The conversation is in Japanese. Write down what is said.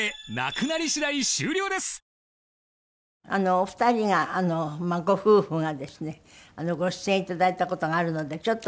お二人がまあご夫婦がですねご出演いただいた事があるのでちょっと。